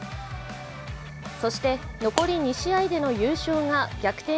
そして残り２試合での優勝が逆転